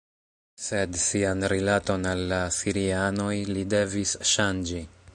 Sed sian rilaton al la asirianoj li devis ŝanĝi.